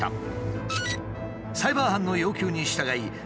サイバー犯の要求に従いあれ？